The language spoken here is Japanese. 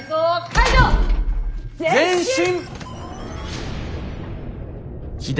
前進！